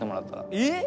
えっ！？